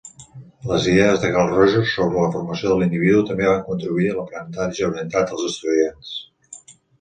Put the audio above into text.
Les idees de Carl Rogers sobre la formació de l'individu també van contribuir a l'aprenentatge orientat als estudiants.